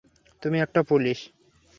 তুমি একটা পুলিশ!